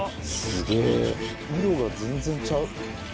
すげぇ色が全然ちゃう。